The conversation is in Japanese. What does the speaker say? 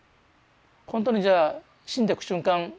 本当にじゃあ死んでく瞬間